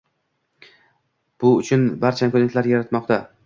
Bu uchun barcha imkoniyatlarni yaratmoqda